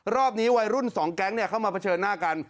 รอบนี้วัยรุ่น๒แก๊งเข้ามาเผชิญหน้ากัน